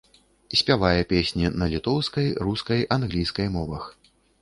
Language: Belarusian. Спявае песні на літоўскай, рускай, англійскай мовах.